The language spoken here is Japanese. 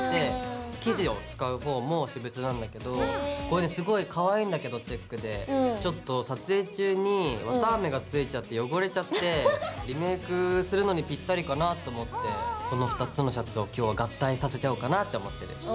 生地を使う方も私物なんだけどこれねすごいかわいいんだけどチェックでちょっと撮影中に綿あめがついちゃって汚れちゃってリメイクするのにぴったりかなと思ってこの２つのシャツを今日は合体させちゃおうかなって思ってる。